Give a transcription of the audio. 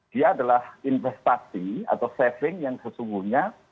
dia adalah investasi atau saving yang sesungguhnya